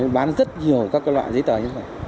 bán rất nhiều các loại giấy tờ như thế này